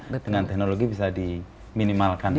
dengan teknologi bisa diminimalkan